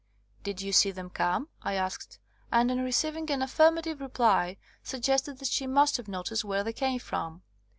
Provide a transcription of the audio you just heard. Did you see them come?" I asked; and on receiving an affirmative reply, suggested that she must have noticed where they came from.